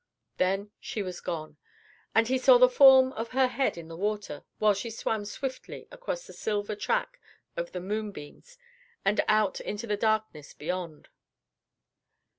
Then she was gone, and he saw the form of her head in the water while she swam swiftly across the silver track of the moonbeams and out into the darkness beyond.